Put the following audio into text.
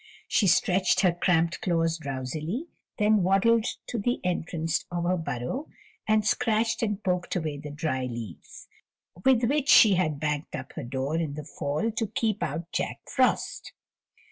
She stretched her cramped claws drowsily, then waddled to the entrance of her burrow, and scratched and poked away the dry leaves, with which she had banked up her door in the fall to keep out Jack Frost.